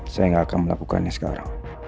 saya tidak akan melakukannya sekarang